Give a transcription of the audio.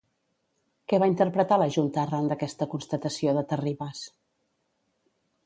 Què va interpretar la junta arran d'aquesta constatació de Terribas?